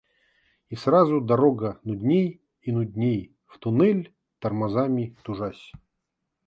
И сразу дорога нудней и нудней, в туннель, тормозами тужась.